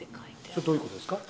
それどういうことですか？